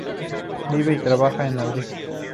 Vive y trabaja en Madrid.